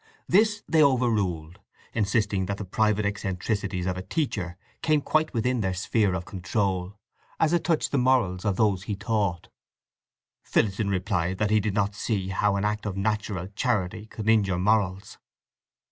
This they over ruled, insisting that the private eccentricities of a teacher came quite within their sphere of control, as it touched the morals of those he taught. Phillotson replied that he did not see how an act of natural charity could injure morals.